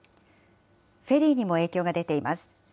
フェリーにも影響が出ています。